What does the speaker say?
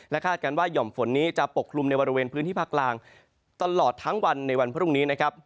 คาดการณ์ว่าหย่อมฝนนี้จะปกคลุมในบริเวณพื้นที่ภาคกลางตลอดทั้งวันในวันพรุ่งนี้นะครับ